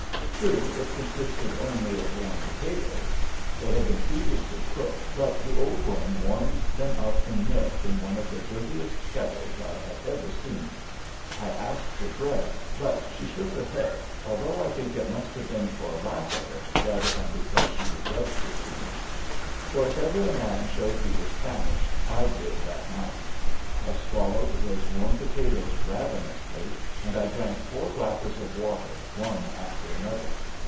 True, it consisted only of warm potatoes. They had been previously cooked, but the old woman warmed them up in milk in one of the dirtiest kettles I had ever seen. I asked for bread, but she shook her head, although I think it must have been for lack of it rather than because she begrudged it to me. For if ever a man showed he was famished, I did that night. I swallowed those warm potatoes ravenously and I drank four glasses of water one after another.